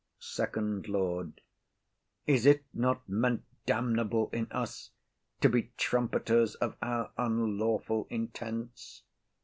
FIRST LORD. Is it not meant damnable in us to be trumpeters of our unlawful intents?